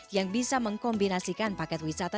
yang bisa mengkombinasikan paket wisata